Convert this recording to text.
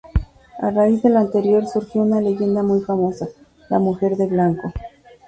A raíz de lo anterior, surgió una leyenda muy famosa, La Mujer de Blanco.